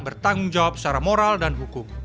bertanggung jawab secara moral dan hukum